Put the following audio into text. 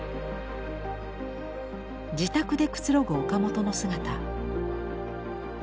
自宅でくつろぐ岡本の姿。